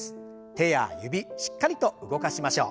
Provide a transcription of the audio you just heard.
手や指しっかりと動かしましょう。